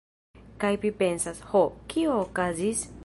Kaj pi pensas, ho, kio okazis?